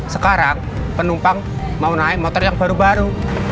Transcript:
sekarang penumpang mau naik motor yang baru baru